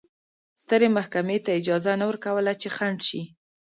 سترې محکمې ته اجازه نه ورکوله چې خنډ شي.